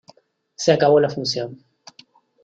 Se acabó la función.